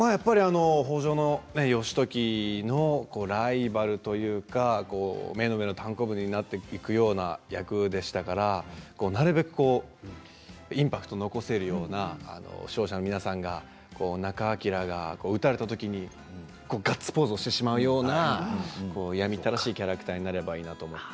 北条義時のライバルというか目の上のたんこぶになっていくような役でしたからなるべくインパクトを残せるような視聴者の皆さんが仲章が討たれた時にガッツポーズをしてしまうような嫌みったらしいキャラクターになればいいなと思って。